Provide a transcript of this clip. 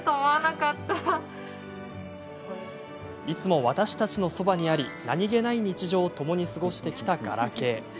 いつも私たちのそばにあり何気ない日常をともに過ごしてきたガラケー。